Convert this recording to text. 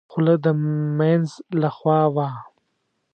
خوله د مينځ له خوا وه.